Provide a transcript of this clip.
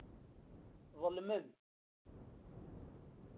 Ḍelmen.